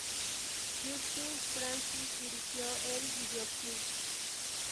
Justin Francis dirigió el videoclip.